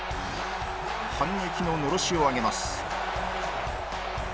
反撃ののろしを上げます